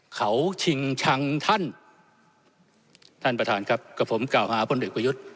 เขาชิงชังท่านท่านประธานครับกับผมกล่าวหาพลเอกประยุทธ์